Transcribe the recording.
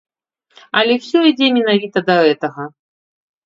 Але ўсё ідзе менавіта да гэтага.